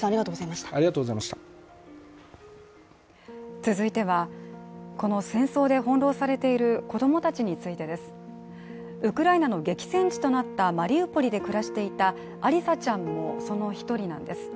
続いては、この戦争でほんろうされている子供たちについてです。ウクライナの激戦地となったマリウポリで暮らしていたアリサちゃんもその一人なんです。